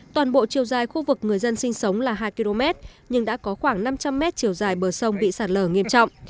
toàn bộ chiều dài khu vực người dân sinh sống là hai km nhưng đã có khoảng năm trăm linh mét chiều dài bờ sông bị sạt lở nghiêm trọng